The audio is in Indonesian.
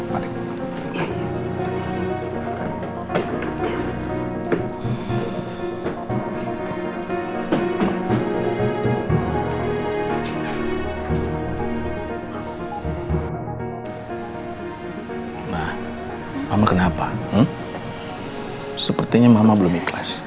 mama mama kenapa sepertinya mama belum ikhlas